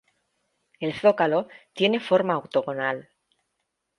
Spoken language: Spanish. El zócalo tiene forma octogonal.